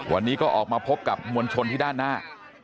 วันนี้ก็ออกมาพบกับมวลชนที่ด้านหน้า